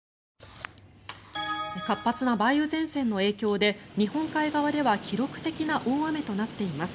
活発な梅雨前線の影響で日本海側では記録的な大雨となっています。